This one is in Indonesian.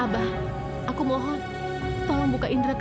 abah aku mohon tolong buka indera ke enam aku